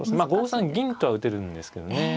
５三銀とは打てるんですけどね。